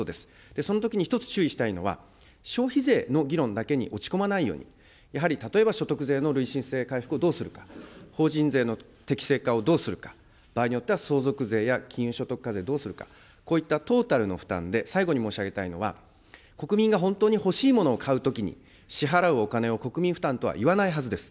そのときに１つ、注意したいのは、消費税の議論だけに落ち込まないように、やはり例えば所得税の累進性回復をどうするか、法人税の適正化をどうするか、場合によっては相続税や金融所得課税どうするか、こういったトータルの負担で、最後に申し上げたいのは、国民が本当に欲しいものを買うときに、支払うお金を国民負担とはいわないはずです。